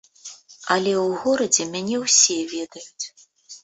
Але ў горадзе мяне ўсе ведаюць.